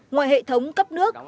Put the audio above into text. ngoài hệ thống cấp nước